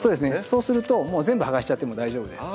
そうするともう全部剥がしちゃっても大丈夫です。